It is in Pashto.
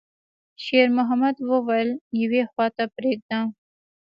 شېرمحمد وويل: «يوې خواته پرېږده.»